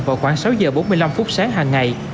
vào khoảng sáu giờ bốn mươi năm phút sáng hàng ngày